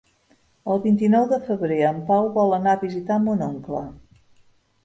El vint-i-nou de febrer en Pau vol anar a visitar mon oncle.